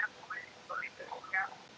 aku masih penuh penyakit